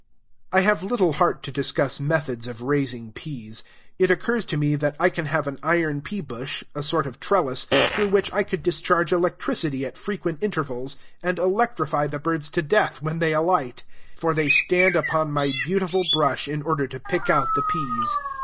I have little heart to discuss methods of raising peas. It occurs to me that I can have an iron peabush, a sort of trellis, through which I could discharge electricity at frequent intervals, and electrify the birds to death when they alight: for they stand upon my beautiful brush in order to pick out the peas.